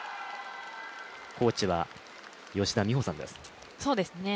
コーチは吉田美保さんです。